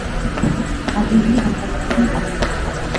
Aliingia ndani ya nyumba akanyamaza